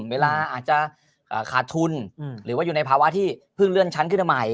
เวลาอาจจะขาดทุนหรือว่าอยู่ในภาวะที่เพิ่งเลื่อนชั้นขึ้นมาใหม่